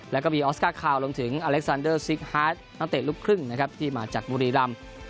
แล้วก็มีออสการ์คาวรวมถึงอเล็กซานเดอร์ซิกฮาร์ดนักเตะลูกครึ่งนะครับที่มาจากบุรีรำ